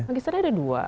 magisternya ada dua